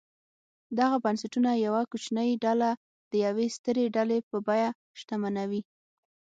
دغه بنسټونه یوه کوچنۍ ډله د یوې سترې ډلې په بیه شتمنوي.